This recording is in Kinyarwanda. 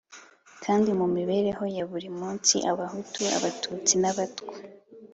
kandi mu mibereho ya buri munsi, abahutu, abatutsi n'abatwa